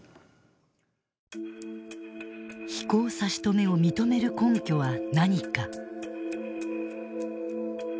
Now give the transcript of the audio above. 飛行差し止めを認める根拠は何か。